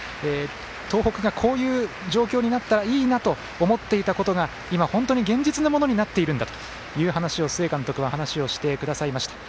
東北が、こういう状況になったらいいなと思っていたことが今、本当に現実のものになっているんだということを須江監督は話をしてくださいました。